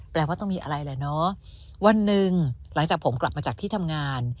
ว่าต้องมีอะไรแหละเนาะวันหนึ่งหลังจากผมกลับมาจากที่ทำงาน